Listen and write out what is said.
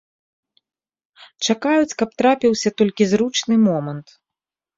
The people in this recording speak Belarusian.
Чакаюць, каб трапіўся толькі зручны момант.